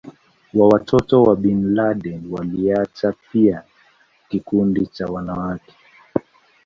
wa watoto wa Bin Laden Waliacha pia kikundi cha wanawake